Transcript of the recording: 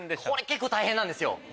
結構大変なんですよ。